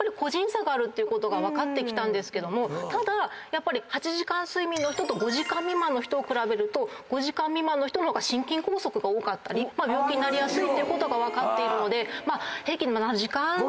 ていうことが分かってきたんですけどもただやっぱり８時間睡眠の人と５時間未満の人を比べると５時間未満の人の方が心筋梗塞が多かったり病気になりやすいと分かっているので平均７時間前後は。